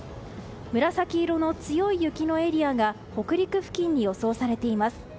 紫色の強い雪のエリアが北陸付近に予想されています。